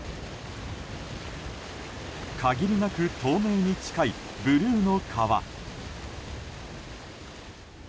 限りなく透明に近いブルーの川。